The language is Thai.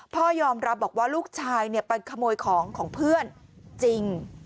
พ่อยอมรับบอกว่าลูกชายไปขโมยของของเพื่อนจริง